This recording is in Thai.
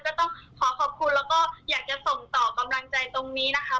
ก็ต้องขอขอบคุณแล้วก็อยากจะส่งต่อกำลังใจตรงนี้นะคะ